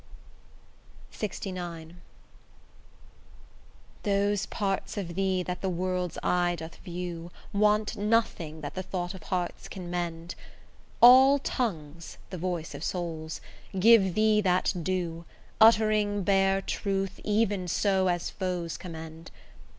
LXIX Those parts of thee that the world's eye doth view Want nothing that the thought of hearts can mend; All tongues, the voice of souls, give thee that due, Uttering bare truth, even so as foes commend.